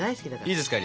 いいですか？